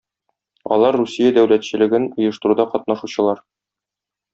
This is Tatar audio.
Алар Русия дәүләтчелеген оештыруда катнашучылар.